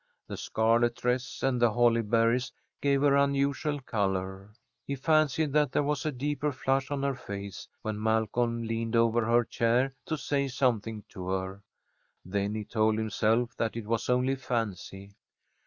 The scarlet dress and the holly berries gave her unusual colour. He fancied that there was a deeper flush on her face when Malcolm leaned over her chair to say something to her. Then he told himself that it was only fancy.